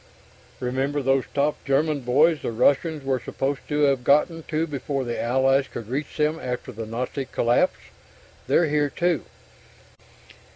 Remember those top German boys the Russians were supposed to have gotten to before the Allies could reach them after the Nazi collapse? _They're here too!